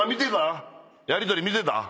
やりとり見てた？